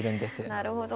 なるほど。